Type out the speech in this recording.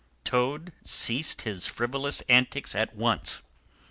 Toad ceased his frivolous antics at once.